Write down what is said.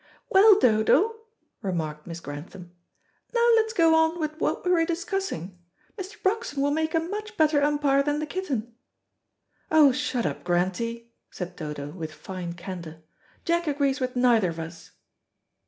"Well, Dodo," remarked Miss Grantham, "now let's go on with what we were discussing. Mr. Broxton will make a much better umpire than the kitten." "Oh, shut up, Grantie," said Dodo, with fine candour, "Jack agrees with neither of us."